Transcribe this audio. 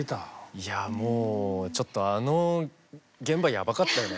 いやもうちょっとあの現場やばかったよね。